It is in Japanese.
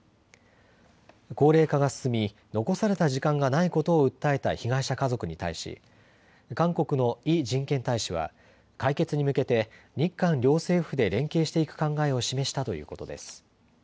高齢化が進み残された時間がないことを訴えた被害者家族に対し、韓国のイ人権大使は解決に向けて日韓両政府で連携していく考えを示したということです。